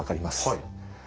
はい。